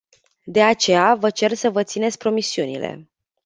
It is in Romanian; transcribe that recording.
De aceea, vă cer să vă țineți promisiunile!